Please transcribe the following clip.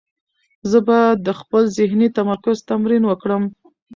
زه به د خپل ذهني تمرکز تمرین وکړم.